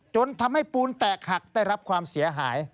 จนทำให้ปูนแตกหักได้รับความเสียหาย